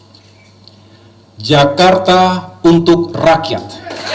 di jakarta untuk rakyat